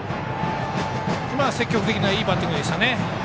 今のは積極的ないいバッティングでしたね。